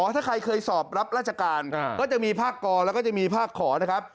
ถ้าใครเคยสอบรับราชการก็จะมีภาคกรแล้วก็จะมีภาคขอนะครับ